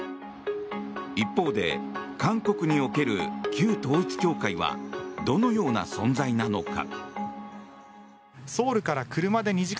一方で韓国における旧統一教会はどのような存在なのか。